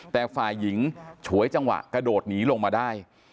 แต่ฝ่ายหญิงฉวยจังหวะกระโดดหนีลงมาได้